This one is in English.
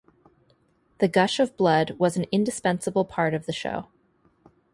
The gush of blood was an indispensable part of the show.